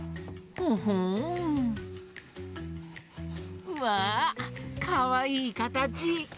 ほほん。わかわいいかたち。